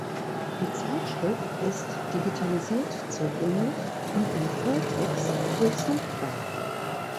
Die Zeitschrift ist digitalisiert zugänglich und im Volltext durchsuchbar.